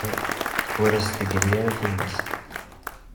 Ur as-d-teggri ara tumast.